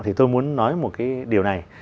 thì tôi muốn nói một điều này